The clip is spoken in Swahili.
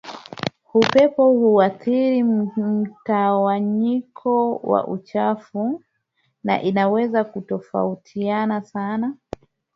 upepo huathiri mtawanyiko wa uchafu na inaweza kutofautiana sana